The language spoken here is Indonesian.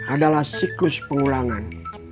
adalah siklus pengulangan